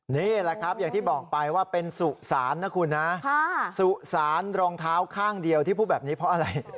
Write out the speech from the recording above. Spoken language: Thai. นี่แหละครับอย่างที่บอกไปว่าเป็นสุสานนะคุณนะสุสานรองเท้าข้างเดียวที่พูดแบบนี้เพราะอะไร